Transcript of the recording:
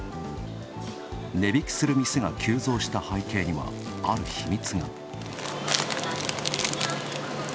値引きする店が急増した背景にはある秘密が。